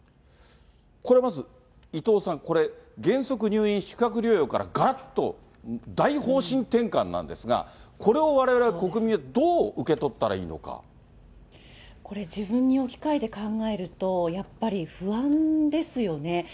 これまず、伊藤さん、原則入院、宿泊療養からがらっと大方針転換なんですが、これをわれわれ国民、これ、自分に置き換えて考えると、やっぱり不安ですよね。